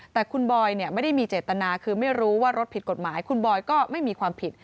แต่คุณบอยไม่ได้มีเจตนาคือไม่รู้ว่ารถผิดกฎหมายคุณบอยก็ไม่มีความผิด